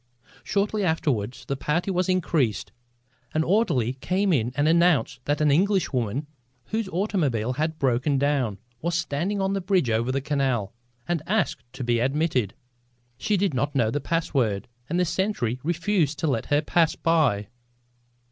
Shortly afterward the party was increased. An orderly came in and announced that an Englishwoman, whose automobile had broken down, was standing on the bridge over the canal and asked to be admitted. She did not know the password and the sentry refused to let her pass by.